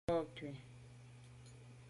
Nka’ kù.